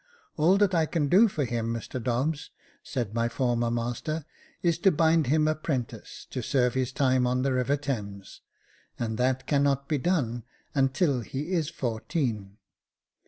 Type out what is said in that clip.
" All that I can do for him, Mr Dobbs," said my former master, " is to bind him apprentice to serve his time on the River Thames, and that cannot be done until he is fourteen.